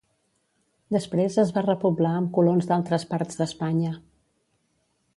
Després es va repoblar amb colons d'altres parts d'Espanya.